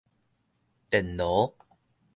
電爐